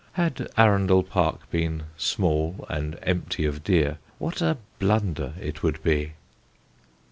Had Arundel Park been small and empty of deer what a blunder it would be.